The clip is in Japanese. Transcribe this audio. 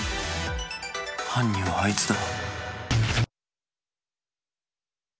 犯人はあいつだ。